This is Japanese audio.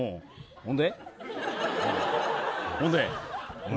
ほんで。